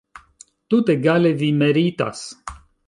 Tutegale vi meritas.